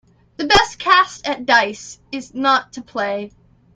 The best cast at dice is not to play.